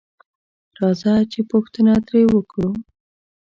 راځه چې پوښتنه تري وکړو